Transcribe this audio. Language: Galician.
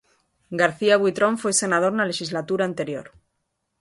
García Buitrón foi senador na lexislatura anterior.